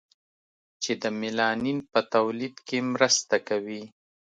چې د میلانین په تولید کې مرسته کوي.